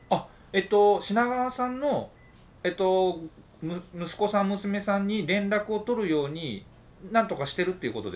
えと品川さんの息子さん娘さんに連絡を取るように何とかしてるっていうことですか？